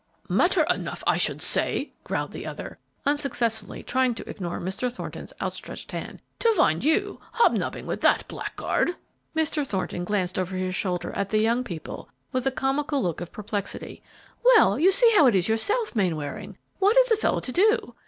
"Matter enough I should say," growled the other, unsuccessfully trying to ignore Mr. Thornton's outstretched hand, "to find you hobnobbing with that blackguard!" Mr. Thornton glanced over his shoulder at the young people with a comical look of perplexity. "Well, you see how it is yourself, Mainwaring: what is a fellow to do?